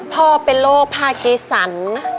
พ่อเป็นโรคพากีสัน